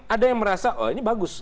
ada yang merasa oh ini bagus